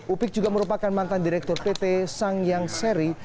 upik juga merupakan mantan direktur pt sang yang seri